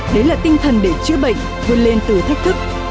đấy là tinh thần để chữa bệnh vươn lên từ thách thức